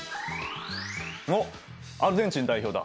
おっアルゼンチン代表だ。